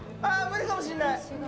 無理かもしれない。